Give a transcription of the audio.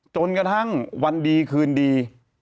จนกระทั่งวันดีคืนดี